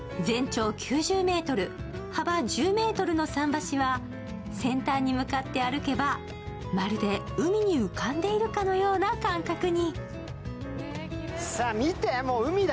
全長９０ｍ、幅１０ｍの桟橋は先端に向かって歩けばまるで海に浮かんでいるかのような感覚に。